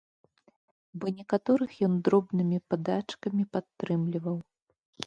Бо некаторых ён дробнымі падачкамі падтрымліваў.